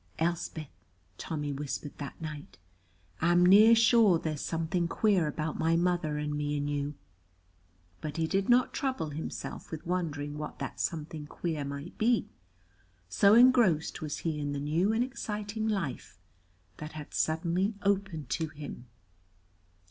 "Elspeth," Tommy whispered that night, "I'm near sure there's something queer about my mother and me and you." But he did not trouble himself with wondering what the something queer might be, so engrossed was he in the new and exciting life that had suddenly opened to him.